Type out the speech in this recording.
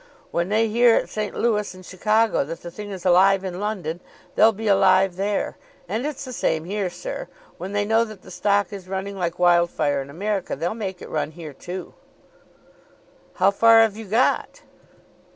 When they hear at St. Louis and Chicago that the thing is alive in London, they'll be alive there. And it's the same here, sir. When they know that the stock is running like wildfire in America, they'll make it run here too." "How far have you got?"